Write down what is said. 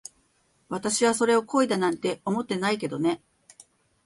私はそれを恋だなんて思ってないけどね。